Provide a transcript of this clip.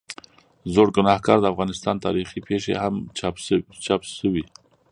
زړوګناهکار، د افغانستان تاریخي پېښې هم چاپ شوي.